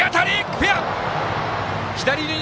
フェア！